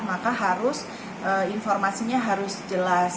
maka harus informasinya harus jelas